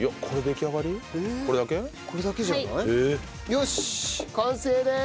よし完成です！